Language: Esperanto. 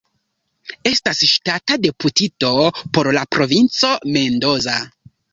Estas ŝtata deputito por la Provinco Mendoza.